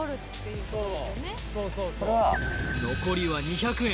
残りは２００円